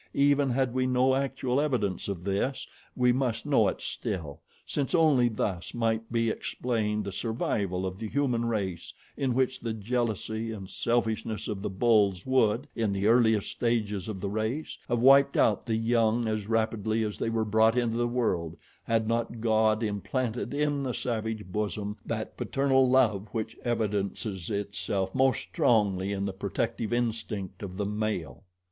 Even had we no actual evidence of this, we must know it still, since only thus might be explained the survival of the human race in which the jealousy and selfishness of the bulls would, in the earliest stages of the race, have wiped out the young as rapidly as they were brought into the world had not God implanted in the savage bosom that paternal love which evidences itself most strongly in the protective instinct of the male.